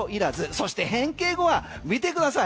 そして変形後は見てください。